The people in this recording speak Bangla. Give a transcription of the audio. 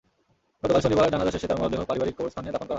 গতকাল শনিবার জানাজা শেষে তাঁর মরদেহ পারিবারিক কবরস্থানে দাফন করা হয়।